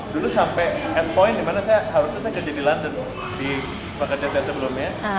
dulu sampai head point dimana saya harusnya saya kerja di london di paket dt sebelumnya